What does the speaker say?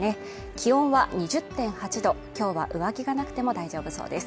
気温は２０．８度、今日は上着がなくても大丈夫そうです。